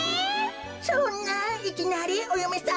そんないきなりおよめさんだなんて。